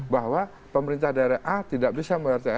bahwa pemerintah daerah a tidak bisa membayar th